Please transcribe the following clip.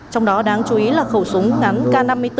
trong đó đáng chú ý là khẩu súng ngắn k năm mươi bốn